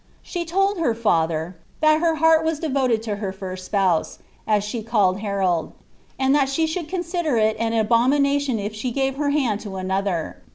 She told her father ^ that her heart was devoted to her first spouse," as she called Harold,^ ^ and that she should consider it an abomination if she gave her hand to another.